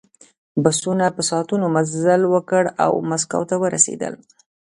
بسونو په ساعتونو مزل وکړ او مسکو ته ورسېدل